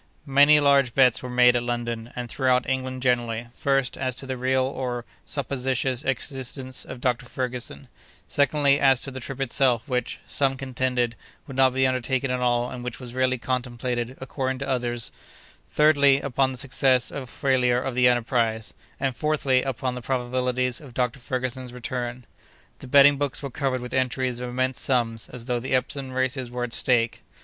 Many large bets were made at London and throughout England generally, first, as to the real or supposititious existence of Dr. Ferguson; secondly, as to the trip itself, which, some contended, would not be undertaken at all, and which was really contemplated, according to others; thirdly, upon the success or failure of the enterprise; and fourthly, upon the probabilities of Dr. Ferguson's return. The betting books were covered with entries of immense sums, as though the Epsom races were at stake.